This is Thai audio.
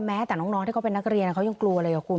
แม้แต่น้องที่เขาเป็นนักเรียนเขายังกลัวเลยคุณ